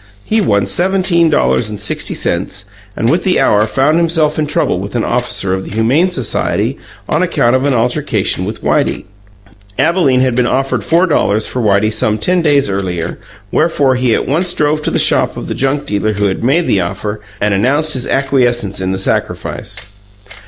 He won seventeen dollars and sixty cents, and within the hour found himself in trouble with an officer of the Humane Society on account of an altercation with Whitey. Abalene had been offered four dollars for Whitey some ten days earlier; wherefore he at once drove to the shop of the junk dealer who had made the offer and announced his acquiescence in the sacrifice.